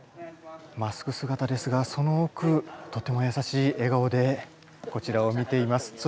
マスクすがたですがそのおくとてもやさしい笑顔でこちらを見ています。